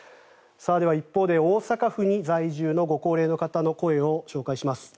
では、一方で大阪府に在住のご高齢の方の声を紹介します。